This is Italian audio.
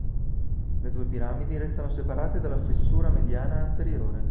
Le due piramidi restano separate dalla fessura mediana anteriore.